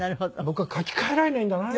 僕は書き換えられないんだな。